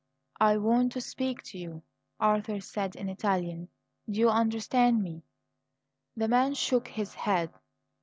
"I want to speak to you," Arthur said in Italian. "Do you understand me?" The man shook his head.